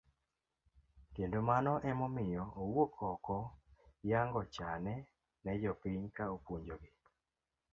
Kendo mano ema omiyo owuok oko yango chane ne jopiny ka opuonjogi.